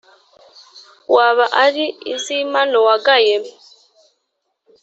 waba ari izimano wagaye?